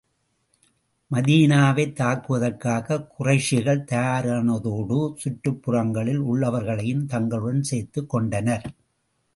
மதீனாவைத் தாக்குவதற்காகக் குறைஷிகள் தயாரானதோடு, சுற்றுப்புறங்களில் உள்ளவர்களையும் தங்களுடன் சேர்த்துக் கொண்டனர்.